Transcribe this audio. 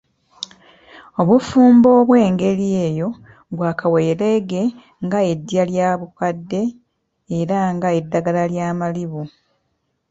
Obufumbo obw'engeri eyo bwa kaweereege nga ddya lya bukadde era ng'eddagala lya malibu!